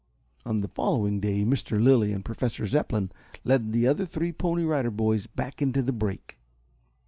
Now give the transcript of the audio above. On the day following, Mr. Lilly and Professor Zepplin led the other three Pony Rider Boys back into the brake.